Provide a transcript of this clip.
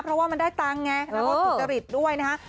เพราะว่ามันได้ตังค์ไงแล้วก็สุจริตด้วยนะฮะ